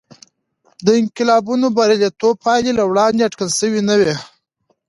د انقلابینو بریالیتوب پایلې له وړاندې اټکل شوې نه وې.